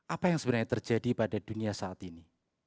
apa yang sebenarnya terjadi pada dunia saat ini